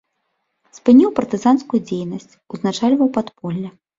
Спыніў партызанскую дзейнасць, узначальваў падполле.